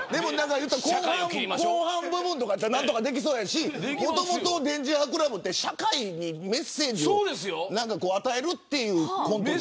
後半部分とかだったら何とかできそうだしもともと電磁波クラブは社会にメッセージを与えるというコントです。